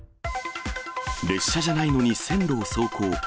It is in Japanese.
列車じゃないのに線路を走行。